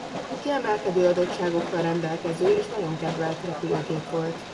Kiemelkedő adottságokkal rendelkező és nagyon kedvelt repülőgép volt.